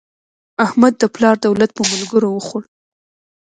احمد د پلار دولت په ملګرو وخوړ.